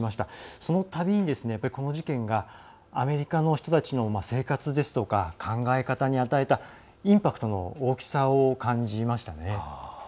そのたびに、この事件がアメリカの人たちの生活ですとか考え方に与えたインパクトの大きさを感じました。